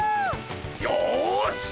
よし！